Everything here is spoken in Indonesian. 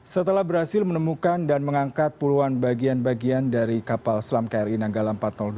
setelah berhasil menemukan dan mengangkat puluhan bagian bagian dari kapal selam kri nanggala empat ratus dua